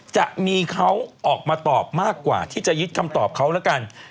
จะมีเขาออกมาตอบมากกว่าที่จะยึดคำตอบเขาแล้วกัน